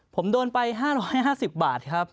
ผมโดนไป๕๕๐บาทครับ